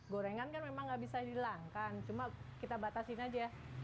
gorengan kan memang nggak bisa dihilangkan cuma kita batasin aja